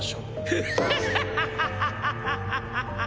フハハハハハッ！